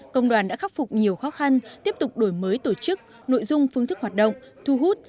công đoàn đã khắc phục nhiều khó khăn tiếp tục đổi mới tổ chức nội dung phương thức hoạt động thu hút